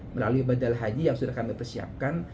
melalui bandara haji yang sudah kami persiapkan